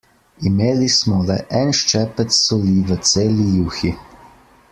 Imeli smo le en ščepec soli v celi juhi.